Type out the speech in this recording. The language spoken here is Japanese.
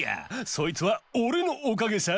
そいつはオレのおかげさ！